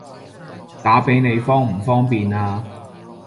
打畀你方唔方便啊？